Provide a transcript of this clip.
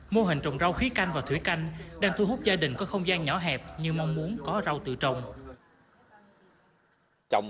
mô hình trồng rau khí canh và thủy canh đang thu hút gia đình có không gian nhỏ hẹp như mong muốn có rau tự trồng